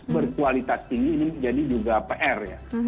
berkualitas tinggi ini menjadi juga pr ya